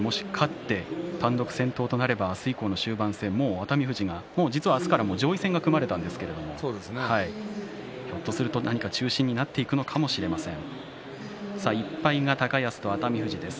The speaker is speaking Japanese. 当然、今日の一番もし勝って単独先頭となれば明日以降の終盤戦、熱海富士が実は明日からは上位戦が組まれたんですけれどもひょっとすると何か中心になっていくかもしれません。